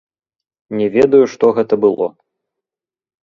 Не ведаю, што гэта было.